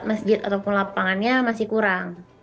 masjid ataupun lapangannya masih kurang